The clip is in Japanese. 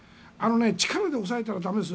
力で抑えたら駄目です。